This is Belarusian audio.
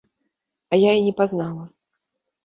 А я і не пазнала.